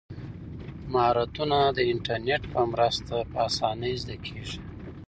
مهارتونه د انټرنیټ په مرسته په اسانۍ زده کیږي.